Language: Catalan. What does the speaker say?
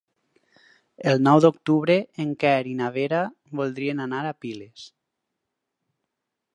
El nou d'octubre en Quer i na Vera voldrien anar a Piles.